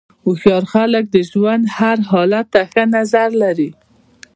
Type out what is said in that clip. هوښیار خلک د ژوند هر حالت ته ښه نظر لري.